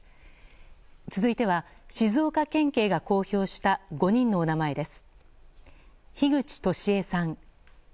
続いては静岡県警が公表した５人のお名前です。